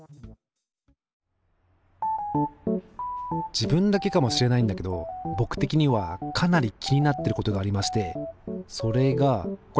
自分だけかもしれないんだけど僕的にはかなり気になってることがありましてそれがこれ。